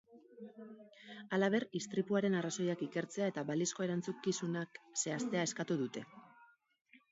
Halaber, istripuaren arrazoiak ikertzea eta balizko erantzukizunak zehaztea eskatu dute.